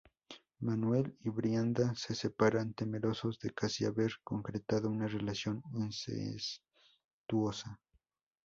Manuel y Brianda se separan temerosos de casi haber concretado una relación incestuosa.